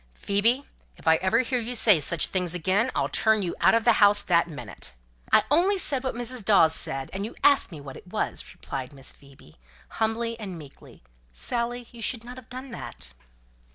"Phoebe, if ever I hear you say such things again, I'll turn you out of the house that minute." "I only said what Mrs. Dawes said, and you asked me what it was," replied Miss Phoebe, humbly and meekly. "Dorothy, you should not have done that."